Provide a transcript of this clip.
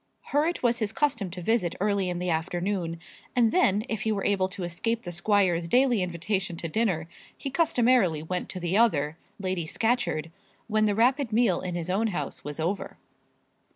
Her it was his custom to visit early in the afternoon; and then, if he were able to escape the squire's daily invitation to dinner, he customarily went to the other, Lady Scatcherd, when the rapid meal in his own house was over.